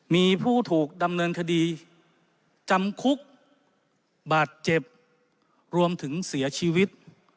มีผู้ถูกดำเนินคดีจำคุกบาดเจ็บรวมถึงเสียชีวิต